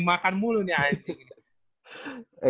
makan mulu nih aja